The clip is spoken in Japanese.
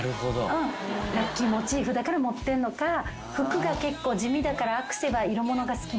ラッキーモチーフだから持ってんのか服が結構地味だからアクセは色物が好きなのとか。